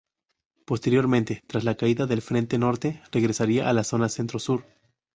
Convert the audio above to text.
Posteriormente, tras la caída del frente norte, regresaría a la zona centro-sur.